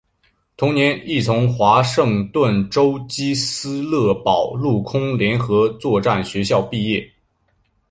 同年亦从华盛顿州基斯勒堡陆空联合作战学校结业。